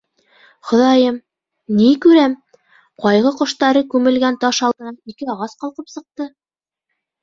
Хоҙайым, ни күрәм: ҡайғы ҡоштары күмелгән таш алдынан ике ағас ҡалҡып сыҡты.